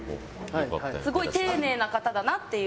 すごい丁寧な方だなっていう。